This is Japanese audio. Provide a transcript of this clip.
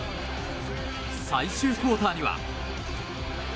最終クオーターには。